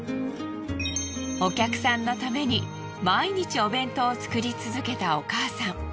お客さんのために毎日お弁当を作り続けたお母さん。